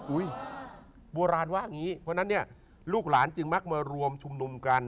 โบราณว่าอย่างนี้เพราะฉะนั้นเนี่ยลูกหลานจึงมักมารวมชุมนุมกัน